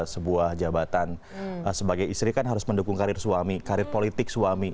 sebuah jabatan sebagai istri kan harus mendukung karir suami karir politik suami